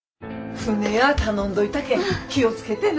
船や頼んどいたけん気を付けてな。